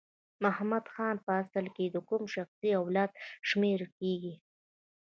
محمد خان په اصل کې د کوم شخص له اولاده شمیرل کیږي؟